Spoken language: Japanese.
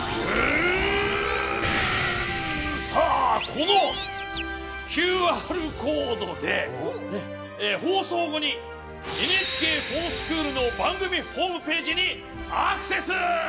さあこのＱＲコードでねっ放送後に「ＮＨＫｆｏｒＳｃｈｏｏｌ」の番組ホームページにアクセス！